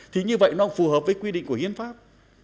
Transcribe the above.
thì như vậy nó phù hợp với quy định của hiến pháp